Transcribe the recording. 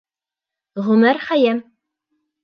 Ғүмәр Хәйәм!